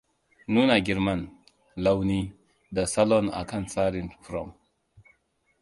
Nuna girman, launi, da salon a kan tsari fom.